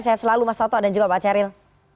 saya selalu mas soto dan juga pak ceril